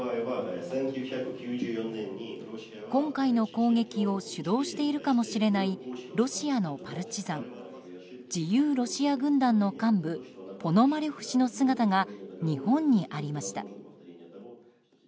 今回の攻撃を主導しているかもしれないロシアのパルチザン自由ロシア軍団の幹部ポノマリョフ氏の姿が日本にありました。